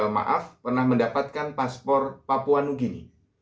ktp maaf pernah mendapatkan paspor papua nugini